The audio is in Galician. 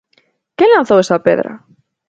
Quen lanzou esa pedra?